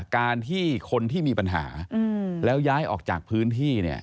การที่คนที่มีปัญหาแล้วย้ายออกจากพื้นที่เนี่ย